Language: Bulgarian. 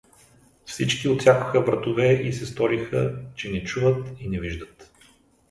Всички отсякоха вратове и се сториха, че не чуват и не виждат.